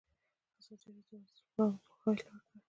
ازادي راډیو د ورزش لپاره عامه پوهاوي لوړ کړی.